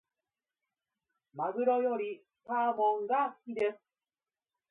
マグロよりサーモンが好きです。